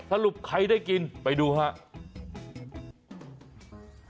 สรุปใครได้กินไปดูครับ